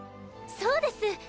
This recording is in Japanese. そうです！